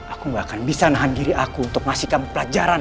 aku gak akan bisa menahan diri aku untuk ngasih kamu pelajaran